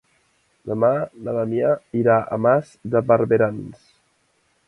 Demà na Damià irà a Mas de Barberans.